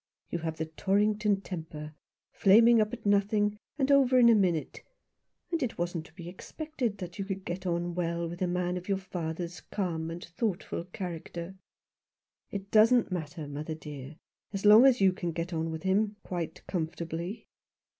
You have the Torrington temper — flaming up at nothing, and over in a minute. And it wasn't to be expected that you could get on well with a man of your father's calm and thoughtful character." " It doesn't matter, mother dear, as long as you can get on with him — quite comfortably."